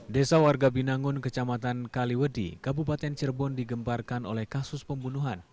desa warga binangun kecamatan kaliwedi kabupaten cirebon digembarkan oleh kasus pembunuhan